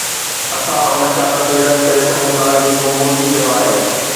اسان ان چال کي رد ڪري سگهون ٿا جيڪو مودي ڪيو آهي.